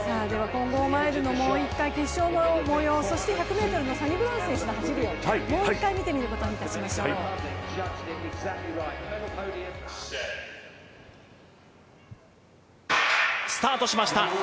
混合マイルの決勝の模様そして１００ｍのサニブラウン選手の走りをもう１回見てみることにしましょうスタートしました